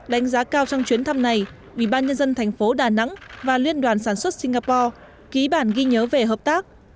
đánh giá cao trong chuyến thăm này vì ban nhân dân thành phố đà nẵng và liên đoàn sản xuất singapore ký bản ghi nhớ về hợp tác